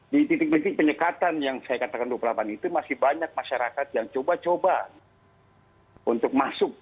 di titik titik penyekatan yang saya katakan dua puluh delapan itu masih banyak masyarakat yang coba coba untuk masuk